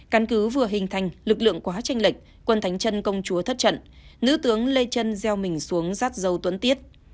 căn cứ vừa hình thành lực lượng quá tranh lệch quân thánh chân công chúa thất trận nữ tướng lê trân gieo mình xuống rát dâu tuấn tiết